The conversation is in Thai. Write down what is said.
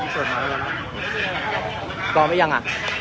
พร้อมหรือยัง